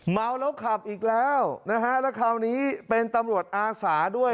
เมาแล้วขับอีกแล้วนะฮะแล้วคราวนี้เป็นตำรวจอาสาด้วย